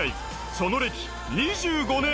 その歴２５年。